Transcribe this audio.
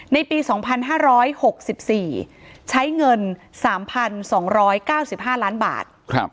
ในปี๒๕๖๔ใช้เงิน๓๒๙๕ล้านบาท